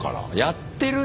やってるね！